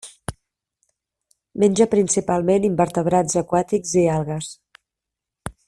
Menja principalment invertebrats aquàtics i algues.